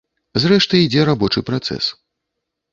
Зрэшты, ідзе рабочы працэс.